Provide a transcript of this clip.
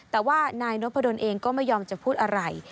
แต่ว่านายนพดลเองก็ไม่ยอมจะพูดอะไร